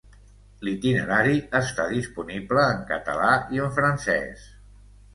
L'itinerari està disponible en català i en francès.